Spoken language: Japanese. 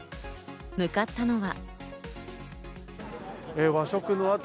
向かったのは。